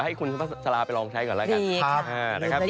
ให้คุณชยพลสาราไปลองใช้แล้วกัน